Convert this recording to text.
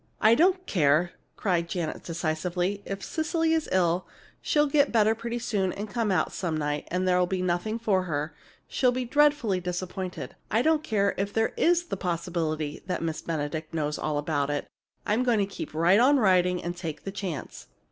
"I don't care!" cried Janet, decisively. "If Cecily is ill, she'll get better pretty soon and come out some night, and there'll be nothing for her. She'd be dreadfully disappointed. I don't care if there is the possibility that Miss Benedict knows all about it. I'm going to keep right on writing and take the chance!"